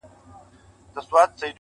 پر محراب به مي د زړه هغه امام وي,